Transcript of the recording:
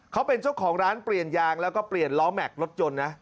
เขาเป็นเจ้าของร้านเปลี่ยนยางแล้วก็เปลี่ยนล้อแม็กซ์รถยนต์นะ